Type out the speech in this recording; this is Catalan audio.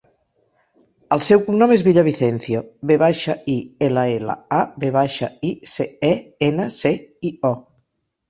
El seu cognom és Villavicencio: ve baixa, i, ela, ela, a, ve baixa, i, ce, e, ena, ce, i, o.